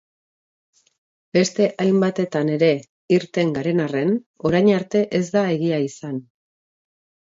Beste hainbatetan ere irten garen arren, orain arte ez da egia izan.